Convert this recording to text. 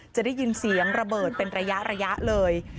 จะได้ยินเสียงระเบิดเป็นระยะเลย